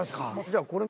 じゃあこれ。